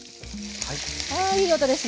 あいい音ですね。